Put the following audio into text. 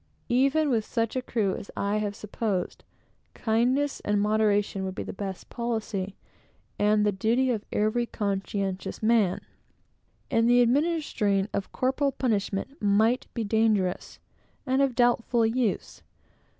Even with such a crew as I have supposed, kindness and moderation would be the best policy, and the duty of every conscientious man; and the administering of corporal punishment might be dangerous, and of doubtful use.